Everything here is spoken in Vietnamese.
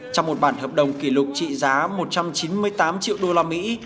trong một bản hợp đồng kỷ lục trị giá một trăm chín mươi tám triệu usd